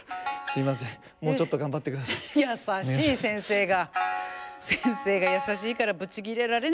やさしい先生が。